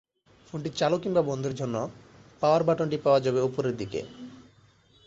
ফোনটি চালু কিংবা বন্ধের জন্য পাওয়ার বাটনটি পাওয়া যাবে ওপরের দিকে।